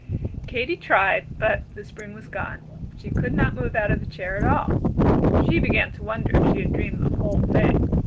Katy tried, but the spring was gone. She could not move out of the chair at all. She began to wonder if she had dreamed the whole thing.